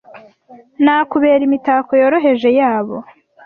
nakubera imitako yoroheje yabo